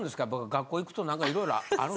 学校行くとなんかいろいろあるんですか？